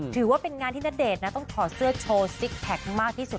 ถือว่าเป็นงานที่ณเดชน์นะต้องถอดเสื้อโชว์ซิกแพคมากที่สุด